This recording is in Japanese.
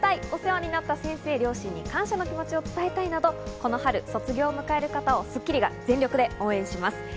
お世話になった先生・両親に感謝の気持ちを伝えたいなど、この春卒業を迎える方を『スッキリ』が全力で応援します。